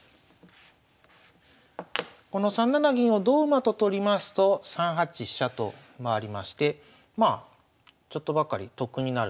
この３七銀を同馬と取りますと３八飛車と回りましてまあちょっとばかり得になる。